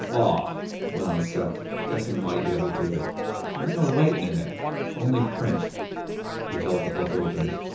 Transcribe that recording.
"Aw," went on Seth, guessing why he hesitated, "there's no writin' in it only print." He held the book open.